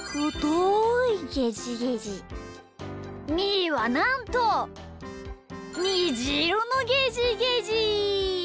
みーはなんとにじいろのゲジゲジ！